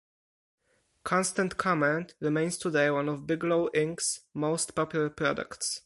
Constant Comment remains today one of Bigelow Inc.'s most popular products.